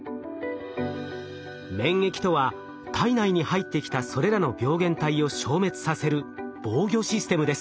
免疫とは体内に入ってきたそれらの病原体を消滅させる防御システムです。